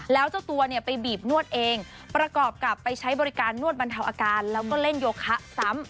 แล้วเจ้าตัวเนี่ยไปบีบนวดเองประกอบกับไปใช้บริการนวดบรรเทาอาการแล้วก็เล่นโยคะซ้ำ